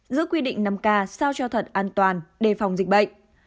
giữa quy định năm k sao cho thật an toàn đề phòng dịch bệnh